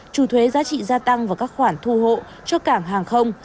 trừ thuế giá trị gia tăng và các khoản thu hộ cho cảng hàng không